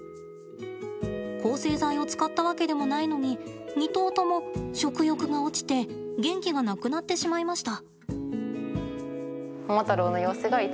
抗生剤を使ったわけでもないのに２頭とも食欲が落ちて元気がなくなってしまいました。